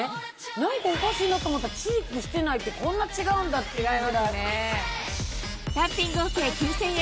何かおかしいなと思ったらチークしてないってこんな違うんだっていうぐらい。